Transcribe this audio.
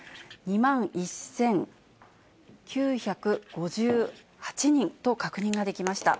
２万１９５８人と確認ができました。